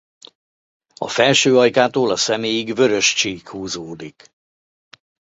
A felső ajkától a szeméig vörös csík húzódik.